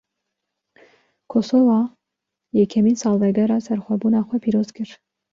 Kosowa, yekemîn salvegera serxwebûna xwe pîroz kir